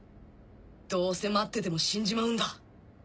どうせ待ってても死んじまうんだ。